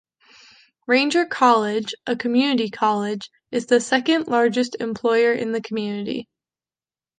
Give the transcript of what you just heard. Ranger College, a community college, is the second largest employer in the community.